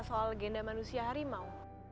soal legenda manusia harimau